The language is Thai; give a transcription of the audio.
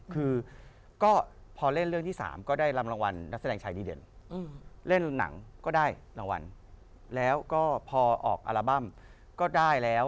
คือก็พอเล่นเรื่องที่๓ก็ได้ลำรางวัลนักแสดงชายดีเด่นเล่นหนังก็ได้รางวัลแล้วก็พอออกอัลบั้มก็ได้แล้ว